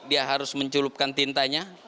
dia harus menculupkan tintanya